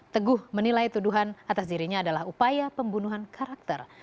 teguh menilai tuduhan atas dirinya adalah upaya pembunuhan karakter